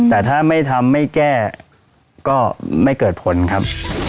แต่ถ้าไม่ทำไม่แก้ก็ไม่เกิดผลครับ